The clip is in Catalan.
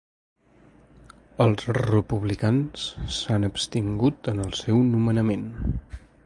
Els republicans s’han abstingut en el seu nomenament.